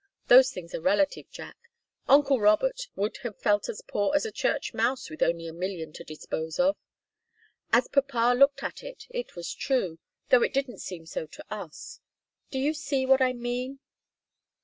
Those things are relative, Jack. Uncle Robert would have felt as poor as a church mouse with only a million to dispose of. As papa looked at it, it was true, though it didn't seem so to us. Do you see what I mean?"